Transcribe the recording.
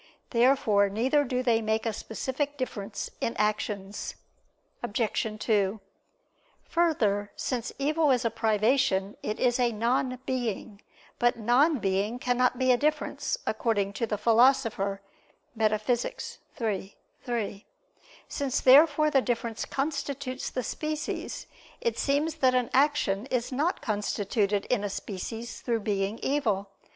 Therefore neither do they make a specific difference in actions. Obj. 2: Further, since evil is a privation, it is a non being. But non being cannot be a difference, according to the Philosopher (Metaph. iii, 3). Since therefore the difference constitutes the species, it seems that an action is not constituted in a species through being evil.